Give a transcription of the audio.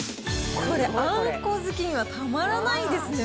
これ、あんこ好きにはたまらないですね。